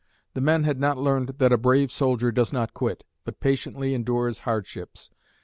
The men had not learned that a brave soldier does not quit, but patiently endures hardships.